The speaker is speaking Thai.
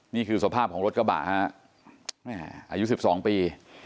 นี่คือสภาพของรถกระบะอายุสิบสองปี